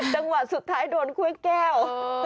จังหวะสุดท้ายโดนกล้วยแก้ว